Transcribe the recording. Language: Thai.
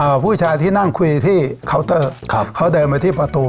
ผู้ชายที่นั่งคุยที่เคาน์เตอร์ครับเขาเดินมาที่ประตู